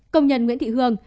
công nhân nguyễn thị hương